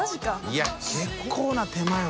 いや結構な手間よ